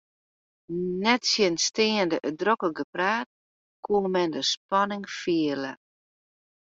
Nettsjinsteande it drokke gepraat koe men de spanning fiele.